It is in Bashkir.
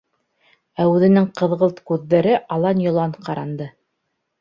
Ә үҙенең ҡыҙғылт күҙҙәре алан-йолан ҡаранды.